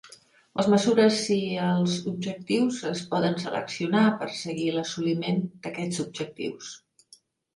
Les mesures i els objectius es poden seleccionar per seguir l'assoliment d'aquests objectius.